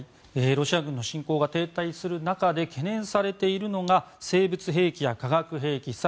ロシア軍の侵攻が停滞する中で懸念されているのが生物兵器や化学兵器